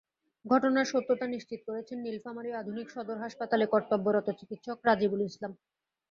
ঘটনার সত্যতা নিশ্চিত করেছেন নীলফামারী আধুনিক সদর হাসপাতালের কর্তব্যরত চিকিৎসক রাজিবুল ইসলাম।